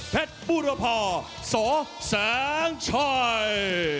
เพชรบุรพาสแสงชัย